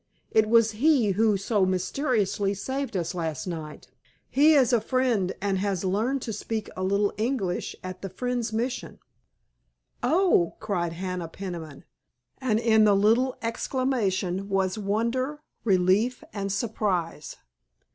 It was he who so mysteriously saved us last night. He is a Friend, and has learned to speak a little English at a Friends' Mission." "Oh," cried Hannah Peniman, and in the little exclamation was wonder, relief and surprise.